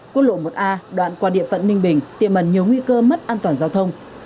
quốc lộ một a đoạn qua địa phận ninh bình tiềm ẩn nhiều nguy cơ mất an toàn giao thông